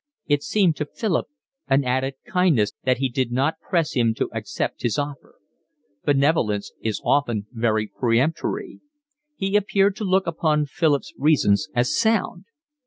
It seemed to Philip an added kindness that he did not press him to accept his offer. Benevolence is often very peremptory. He appeared to look upon Philip's reasons as sound.